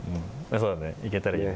そうだね、行けたらいいね。